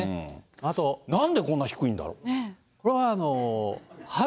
なんでこんな低いんだろう。